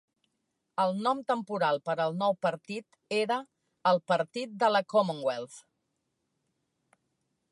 El nom temporal per al nou partit era el Partit de la Commonwealth.